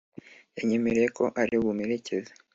yanyememereye ko ari bumperekeze